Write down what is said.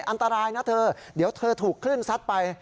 อันตรายนะเธอเดี๋ยวเธอถูกคลื่นซัดไป